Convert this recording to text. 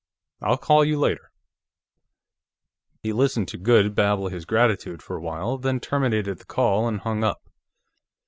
I'll call you later." He listened to Goode babble his gratitude for a while, then terminated the call and hung up.